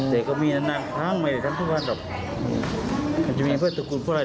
แต่เขามีนาฬิกาหนางทั้งหรอทันทุกบ้านหรอ